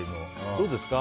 どうですか？